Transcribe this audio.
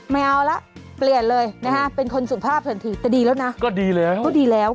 ไม่เอาล่ะเกลียดเลยเป็นคนสุขภาพสันถิร์แต่ดีแล้วนะ